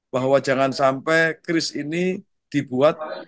bahwa jangan sampai kris ini dibuat